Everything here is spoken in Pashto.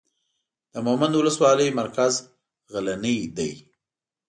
د مومند اولسوالۍ مرکز غلنۍ دی.